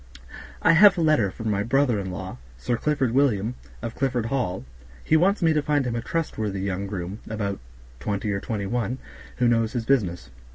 I have a letter from my brother in law, Sir Clifford Williams, of Clifford Hall. He wants me to find him a trustworthy young groom, about twenty or twenty one, who knows his business.